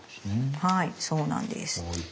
はいそうなんです。